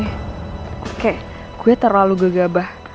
kayaknya gue terlalu gegabah